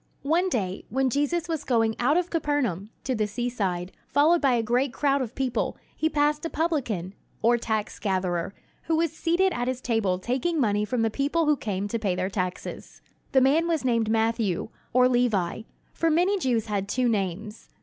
One day, when Jesus was going out of Capernaum, to the seaside, followed by a great crowd of people, he passed a publican, or tax gatherer, who was seated at his table taking money from the people who came to pay their taxes. This man was named Matthew, or Levi; for many Jews had two names.